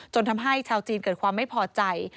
ทำให้ชาวจีนเกิดความไม่พอใจ